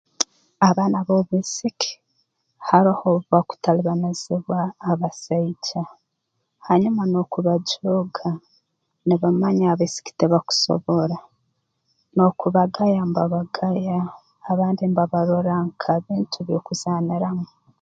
Abaana b'obwisiki haroho obu bakutalibanizibwa abasaija hanyuma n'okubajooga nibamanya abaisiki tibakusobora n'okubagaya mbabagaya abandi mbabarora nk'ebintu by'okuzaaniramu